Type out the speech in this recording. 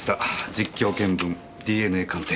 実況検分ＤＮＡ鑑定。